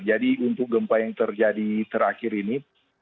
jadi untuk gempa yang terjadi terakhir ini